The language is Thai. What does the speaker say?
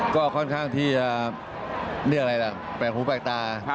ก็ค่อนข้างที่จะเรียกอะไรล่ะแปลกหูแปลกตา